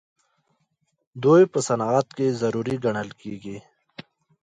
دوی په صنعت کې ضروري ګڼل کیږي.